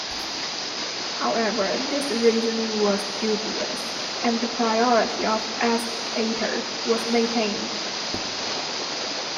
However, this reasoning was dubious and the priority of "S. ater" was maintained.